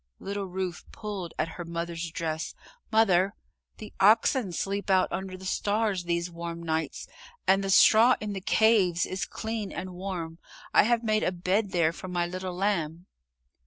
Little Ruth pulled at her mother's dress. "Mother, the oxen sleep out under the stars these warm nights and the straw in the caves is clean and warm; I have made a bed there for my little lamb."